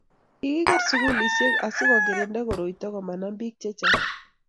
Kikiker sugulisiek asikogirinda koroita komanam bik chechang